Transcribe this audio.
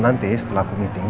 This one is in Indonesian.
nanti setelah aku meeting